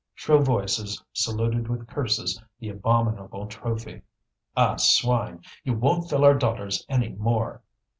Shrill voices saluted with curses the abominable trophy. "Ah! swine! you won't fill our daughters any more!"